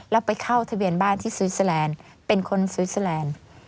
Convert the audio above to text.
แล้วไปเข้าทะเบียนบ้านที่สวิสเตอร์แลนด์เป็นคนสวิสเตอร์แลนด์